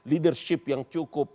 leadership yang cukup